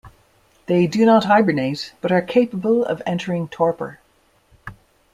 They do not hibernate, but are capable of entering torpor.